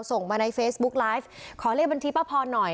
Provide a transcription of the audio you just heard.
ส่งมาในเฟซบุ๊กไลฟ์ขอเลขบัญชีป้าพรหน่อย